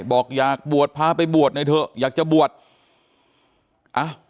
บอกอยากบวชพาไปบวชหน่อยเถอะอยากจะบวชอ่ะ